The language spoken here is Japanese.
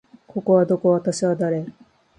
ここはどこ？私は誰？